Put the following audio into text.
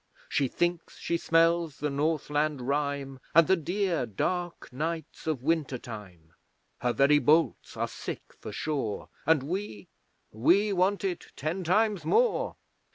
She thinks she smells the Northland rime, And the dear dark nights of winter time. Her very bolts are sick for shore, And we we want it ten times more!